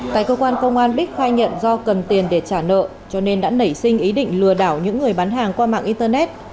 tại cơ quan công an bích khai nhận do cần tiền để trả nợ cho nên đã nảy sinh ý định lừa đảo những người bán hàng qua mạng internet